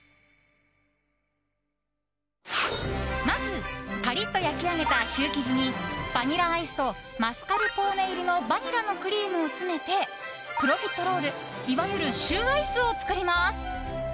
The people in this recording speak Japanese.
まず、カリッと焼き上げたシュー生地にバニラアイスとマスカルポーネ入りのバニラのクリームを詰めてプロフィットロールいわゆるシューアイスを作ります。